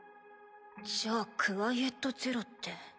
じゃあクワイエット・ゼロって。